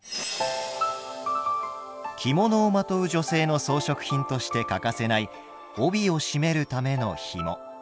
着物をまとう女性の装飾品として欠かせない帯を締めるためのひも。